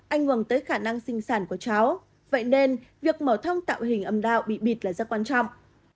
ảnh hưởng tới khả năng sinh sản của cháu vậy nên việc mở thông tạo hình âm đạo bịt là rất quan trọng